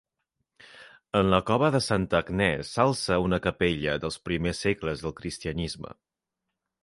En la cova de Santa Agnès s'alça una capella dels primers segles del cristianisme.